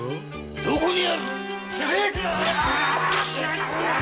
どこにある！